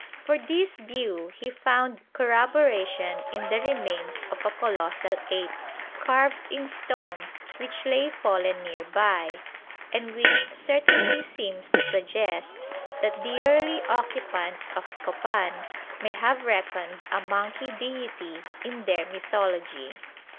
For this view he found corroboration in the remains of a colossal ape carved in stone which lay fallen near by, and which certainly seems to suggest that the early occupants of Copan may have reckoned a monkey deity in their mythology.